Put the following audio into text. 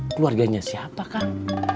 keluarganya siapa kang